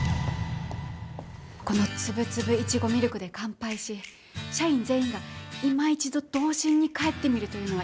このつぶつぶいちごミルクで乾杯し社員全員がいま一度童心に返ってみるというのはいかがでしょうか。